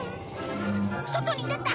外に出た。